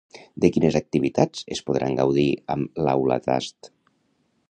De quines activitats es podran gaudir amb l'Aula tast?